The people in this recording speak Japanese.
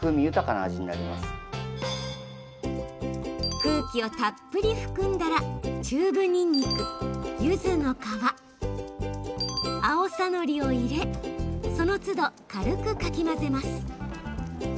空気をたっぷり含んだらチューブにんにくゆずの皮あおさのりを入れそのつど軽くかき混ぜます。